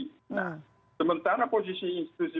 nah sementara posisi institusi